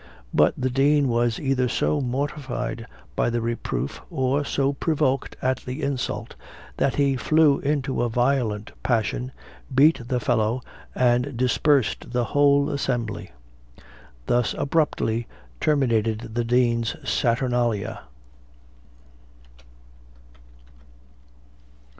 But the Dean was either so mortified by the reproof, or so provoked at the insult, that he flew into a violent passion, beat the fellow, and dispersed the whole assembly. Thus abruptly terminated the Dean's Saturnalia.